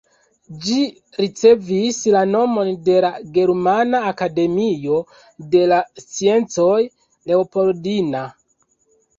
Ĝi ricevis la nomon de la Germana Akademio de la Sciencoj Leopoldina.